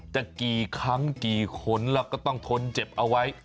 จะกี่ครั้งกี่คนแล้วก็ต้องทนเจ็บเอาไว้